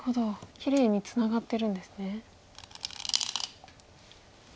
きれいにツナがってるんですね。